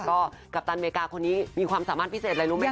ก็กัปตันเมฆามีความสามารถพิเศษอะไรรู้ไหมคะ